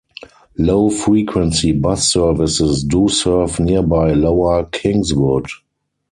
Low-frequency bus services do serve nearby Lower Kingswood.